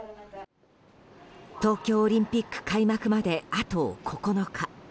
東京オリンピック開幕まであと９日。